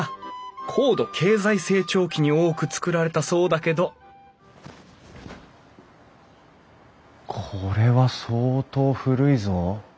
高度経済成長期に多く造られたそうだけどこれは相当古いぞ。